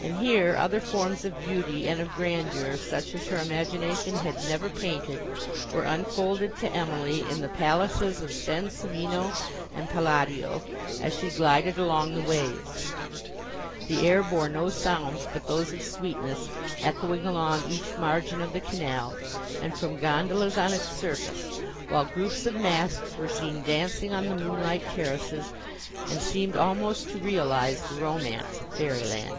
And here, other forms of beauty and of grandeur, such as her imagination had never painted, were unfolded to Emily in the palaces of Sansovino and Palladio, as she glided along the waves. The air bore no sounds, but those of sweetness, echoing along each margin of the canal, and from gondolas on its surface, while groups of masks were seen dancing on the moonlight terraces, and seemed almost to realise the romance of fairyland.